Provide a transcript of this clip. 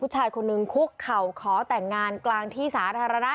ผู้ชายคนนึงคุกเข่าขอแต่งงานกลางที่สาธารณะ